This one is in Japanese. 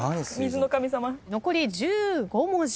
残り１５文字。